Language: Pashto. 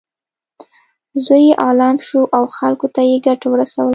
زوی یې عالم شو او خلکو ته یې ګټه ورسوله.